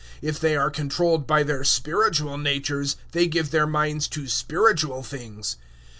If they are controlled by their spiritual natures, they give their minds to spiritual things.